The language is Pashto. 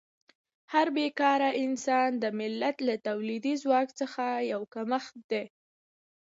هر بېکاره انسان د ملت له تولیدي ځواک څخه یو کمښت دی.